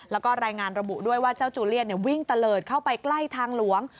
แล้วก็รายงานระบุด้วยว่าเจ้าจูเลียนวิ่งตะเลิศเข้าไปใกล้ทางหลวง